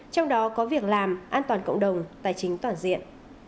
trong đó có việc làm an toàn cộng đồng tài chính toàn diện